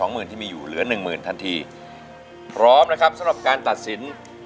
หมื่นที่มีอยู่เหลือหนึ่งหมื่นทันทีพร้อมนะครับสำหรับการตัดสิน